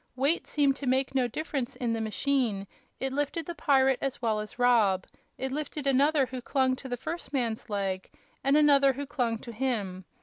Weight seemed to make no difference in the machine; it lifted the pirate as well as Rob; it lifted another who clung to the first man's leg, and another who clung to him.